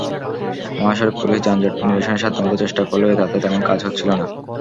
মহাসড়ক পুলিশ যানজট নিরসনে সাধ্যমতো চেষ্টা করলেও তাতে তেমন কাজ হচ্ছিল না।